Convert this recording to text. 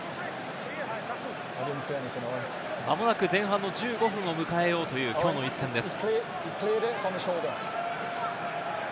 まもなく前半の１５分を迎えようというきょうの一戦です。